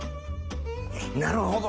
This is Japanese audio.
なるほど。